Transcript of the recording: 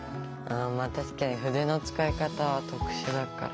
確かに筆の使い方は特殊だから。